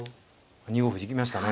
２五歩行きましたね